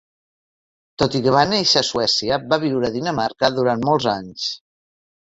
Tot i que va néixer a Suècia, va viure a Dinamarca durant molts anys.